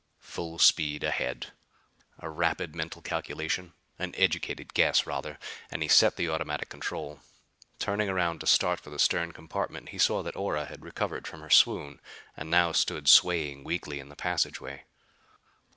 Full speed ahead. A rapid mental calculation an educated guess, rather and he set the automatic control. Turning around to start for the stern compartment, he saw that Ora had recovered from her swoon and now stood swaying weakly in the passageway.